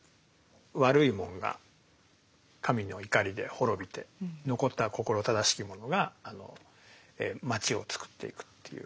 悪いものが神の怒りで滅びて残った心正しきものが町をつくっていくという。